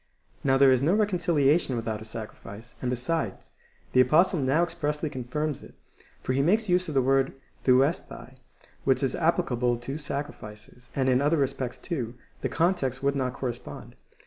Now there is no reconciliation without a sacrifice ; and, besides, the Apostle now expressly confirms it, for he makes use of the word OvecrOaL, which is applicable to sacrifices, and in other respects, too, the con text would not correspond.